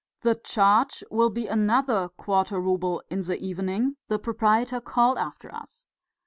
"The charge will be another quarter rouble in the evening," the proprietor called after us.